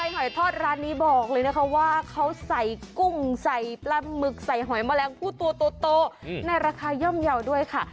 หอยทอดร้านนี้บอกเลยนะคะว่าเขาใส่กุ้งใส่ปลาหมึกใส่หอยแมลงผู้ตัวโตในราคาย่อมเยาว์ด้วยค่ะ